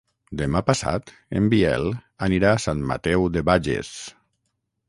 Demà passat en Biel anirà a Sant Mateu de Bages.